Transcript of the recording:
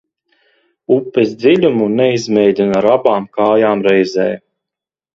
Upes dziļumu neizmēģina ar abām kājām reizē.